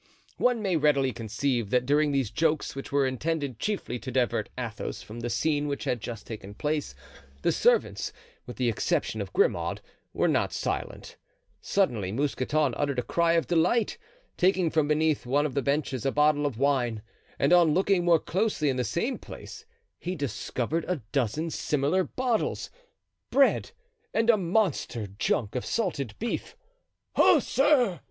One may readily conceive that during these jokes which were intended chiefly to divert Athos from the scene which had just taken place, the servants, with the exception of Grimaud, were not silent. Suddenly Mousqueton uttered a cry of delight, taking from beneath one of the benches a bottle of wine; and on looking more closely in the same place he discovered a dozen similar bottles, bread, and a monster junk of salted beef. "Oh, sir!"